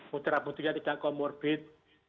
putera putrinya tidak komorbid